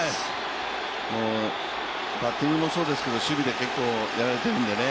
バッティングもそうですけど、守備でもやられてるのでね。